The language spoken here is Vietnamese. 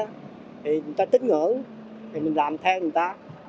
thì người ta tính ngưỡng thì mình làm theo người ta